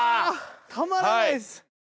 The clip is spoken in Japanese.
たまらないです。